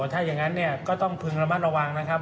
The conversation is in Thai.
ถ้าอย่างนั้นเนี่ยก็ต้องพึงระมัดระวังนะครับ